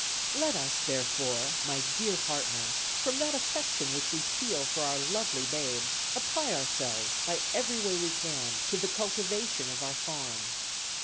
"Let us, therefore, my dear partner, from that affection which we feel for our lovely babes, apply ourselves, by every way we can, to the cultivation of our farm.